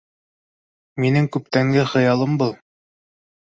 Минең күптәнге хыялым был